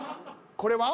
これは？